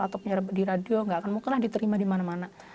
atau penyiar di radio nggak akan mungkin lah diterima di mana mana